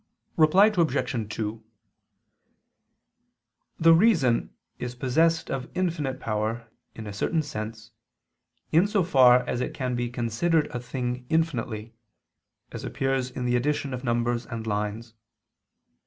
Reply Obj. 2: The reason is possessed of infinite power, in a certain sense, in so far as it can consider a thing infinitely, as appears in the addition of numbers and lines.